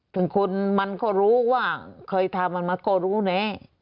ถึงคนมันก็รู้ว่าเคยทำมันมาก็รู้แน่